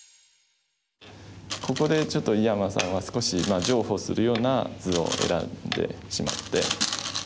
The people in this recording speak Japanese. ここでちょっと井山さんは少し譲歩するような図を選んでしまって。